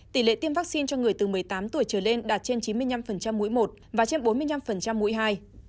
tỷ lệ tiêm vaccine cho người từ một mươi tám tuổi trở lên đạt trên chín mươi năm mũi một và trên bốn mươi năm mũi hai